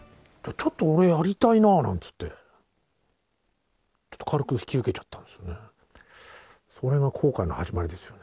ちょっと俺、やりたいななんつって、ちょっと軽く引き受けちゃったんですよね。